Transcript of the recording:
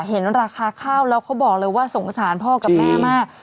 เห็นราคาข้าวแล้วเขาบอกเลยว่าสงสารพ่อกับแม่มาก